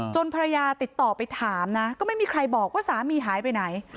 ภรรยาติดต่อไปถามนะก็ไม่มีใครบอกว่าสามีหายไปไหน